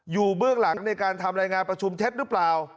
เบื้องหลังในการทำรายงานประชุมเท็จหรือเปล่า